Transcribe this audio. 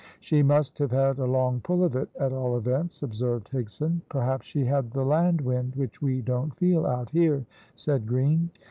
"She must have had a long pull of it, at all events," observed Higson. "Perhaps she had the land wind, which we don't feel out here?" said Green.